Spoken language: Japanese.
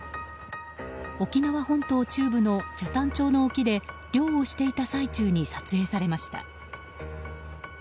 沖縄本島中部の北谷町の沖で漁をしていた最中に撮影されました。